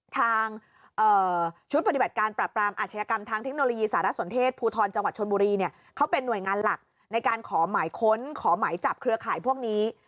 ทางชุดปฏิบัติการปรับปรามอาชญากรรมทางเทคโนโลยีสารสนเทศภูทรจังหวัดชนบุรีเนี่ยเขาเป็นหน่วยงานหลักในการขอหมายค้นขอหมายจับเครือข่ายพวกนี้